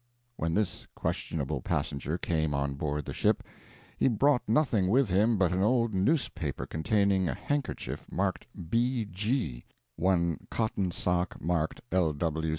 When this questionable passenger came on board the ship, he brought nothing with him but an old newspaper containing a handkerchief marked "B. G.," one cotton sock marked "L.